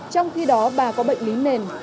trong khi đó bà có bệnh lý nền